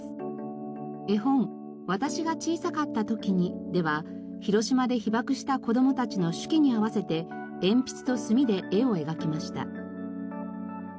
絵本『わたしがちいさかったときに』では広島で被爆した子供たちの手記に合わせて鉛筆と墨で絵を描きました。